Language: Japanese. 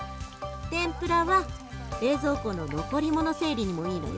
天ぷらは冷蔵庫の残り物整理にもいいのよ。